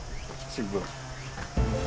新聞。